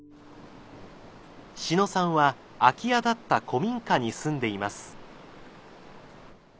志野さんは空き家だった古民家に住んでいます。